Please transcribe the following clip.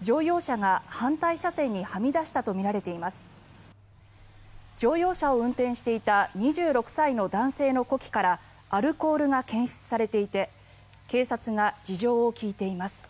乗用車を運転していた２６歳の男性の呼気からアルコールが検出されていて警察が事情を聴いています。